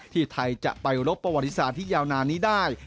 ที่ไทยจะไปรบประวัติศาสตร์ที่ยาวนานนี้ได้